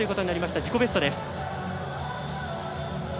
自己ベストです。